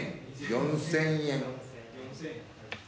４，０００円。